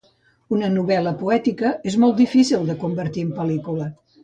Una novel·la poètica és molt difícil de convertir en pel·lícula.